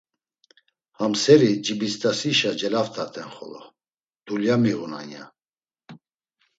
“Ham seri Cibist̆asişa celaft̆aten xolo, dulya miğunan.” ya.